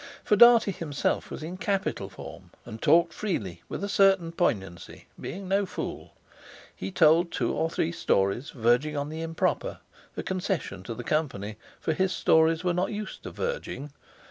For Dartie himself was in capital form, and talked freely, with a certain poignancy, being no fool. He told two or three stories verging on the improper, a concession to the company, for his stories were not used to verging.